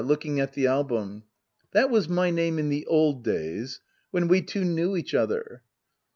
[Looking at the attwm.] That was my name in the ola days — when we two knew each other.